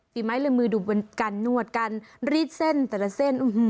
ฝีไม้แหลมือดูกันนวดกันรีดเส้นแต่ละเส้น